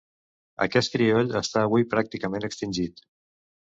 Aquest crioll està avui pràcticament extingit.